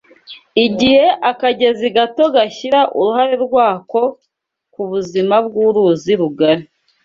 Igihe akagezi gato gashyira uruhare rwako ku buzima bw’uruzi rugari